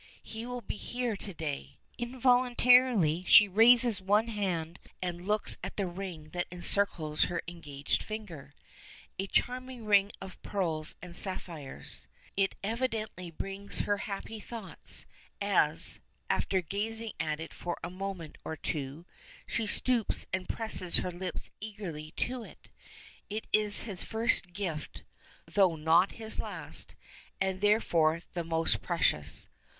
He will be here to day! Involuntarily she raises one hand and looks at the ring that encircles her engaged finger. A charming ring of pearls and sapphires. It evidently brings her happy thoughts, as, after gazing at it for a moment or two, she stoops and presses her lips eagerly to it. It is his first gift (though not his last), and therefore the most precious.